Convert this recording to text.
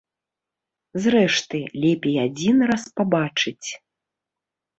Зрэшты, лепей адзін раз пабачыць.